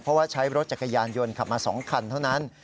เพราะว่าใช้รถจักรยานยนต์ขับมา๒คันเท่านั้น